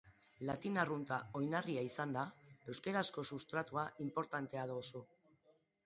Latin arrunta oinarria izanda, euskarazko substratua inportantea da oso.